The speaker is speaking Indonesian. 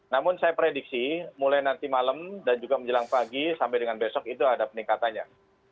namun saya prediksi mulai nanti malam dan juga menjelang pagi sampai dengan besok itu ada peningkatannya